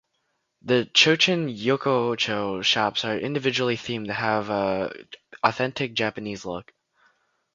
The Chochin-yokocho shops are individually themed to have an authentic Japanese look.